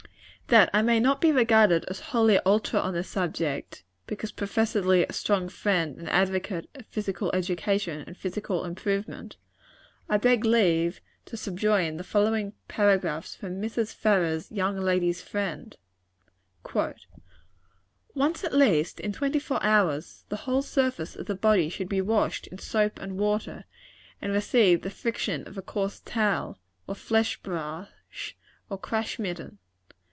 That I may not be regarded as wholly ultra on this subject, because professedly a strong friend and advocate of physical education and physical improvement, I beg leave to subjoin the following paragraphs from Mrs. Farrar's Young Ladies' Friend: "Once, at least, in twenty four hours, the whole surface of the body should be washed in soap and water, and receive the friction of a coarse towel, or flesh brush, or crash mitten.